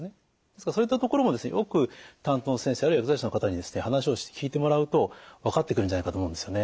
ですからそういったところもよく担当の先生あるいは薬剤師の方に話をして聞いてもらうと分かってくるんじゃないかと思うんですよね。